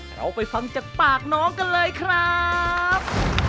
เราไปฟังจากปากน้องกันเลยครับ